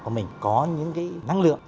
của mình có những cái năng lượng